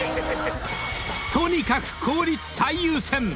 ［とにかく効率最優先！